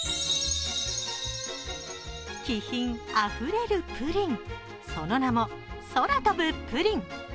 気品あふれるプリン、その名も空とぶプリン。